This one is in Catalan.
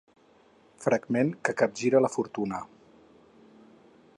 Fragment que capgira la fortuna.